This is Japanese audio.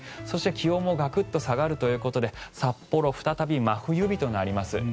そして、気温もガクッと下がるということで札幌再び真冬日となります。